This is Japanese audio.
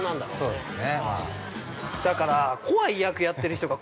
◆そうですね。